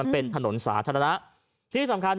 เป็นถนนสาธารณะที่สำคัญ